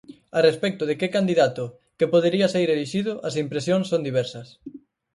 A respecto de que candidato que podería saír elixido as impresións son diversas.